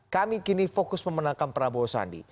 kami kini fokus memenangkan prabowo sandi